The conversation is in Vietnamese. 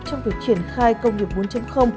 trong việc triển khai công nghiệp bốn